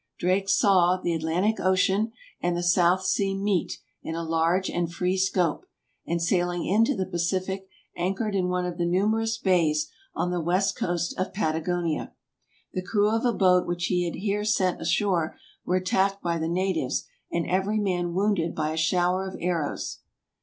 Drake saw " the Atlantic Ocean and the South Sea meet in a large and free scope, '' and sail ing into the Pacific anchored in one of the numerous bays on the west coast of Patagonia. The crew of a boat which he here sent ashore were attacked by the natives and every man wounded by a shower of arrows.